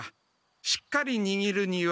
しっかりにぎるには。